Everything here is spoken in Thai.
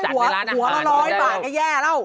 หัวละ๑๐๐บาทก็แย่แล้ว